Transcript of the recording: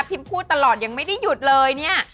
พูดตลอดยังไม่ได้หยุดเลยเนี่ย